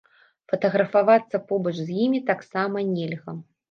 Фатаграфавацца побач з імі таксама нельга.